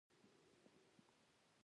دا پراختیا لوی تولید ته اړتیا لري.